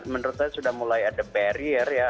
menurut saya sudah mulai ada barrier ya